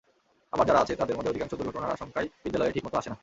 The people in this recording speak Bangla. আবার যারা আছে, তাদের মধ্যে অধিকাংশ দুর্ঘটনার আশঙ্কায় বিদ্যালয়ে ঠিকমতো আসে না।